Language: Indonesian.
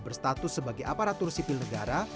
berstatus sebagai aparatur sipil negara